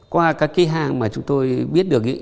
qua các cái hang mà chúng tôi biết được